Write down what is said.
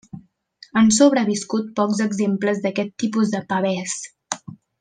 Han sobreviscut pocs exemples d’aquest tipus de pavès.